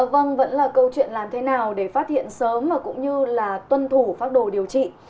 vâng vẫn là câu chuyện làm thế nào để phát hiện sớm và cũng như là tuân thủ phác đồ điều trị